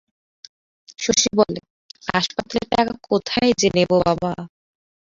শশী বলে, হাসপাতালের টাকা কোথায় যে নেব বাবা?